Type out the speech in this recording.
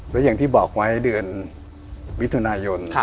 และอย่างที่บอกไว้เดือนมิถุนายน